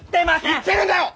言ってるんだよ！